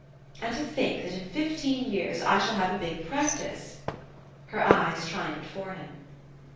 "And to think that in fifteen years I shall have a big practice!" Her eyes triumphed for him.